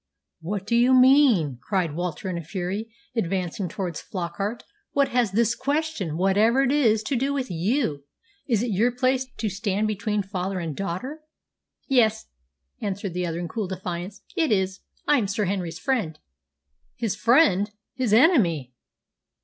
"What do you mean?" cried Walter in a fury, advancing towards Flockart. "What has this question whatever it is to do with you? Is it your place to stand between father and daughter?" "Yes," answered the other in cool defiance, "it is. I am Sir Henry's friend." "His friend! His enemy!"